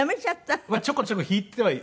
ちょこちょこ弾いては。